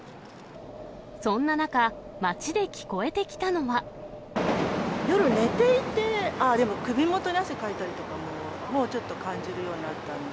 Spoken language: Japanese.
そんな中、夜寝ていて、あーでも、首元に汗かいたりとかももうちょっと感じるようになったんで。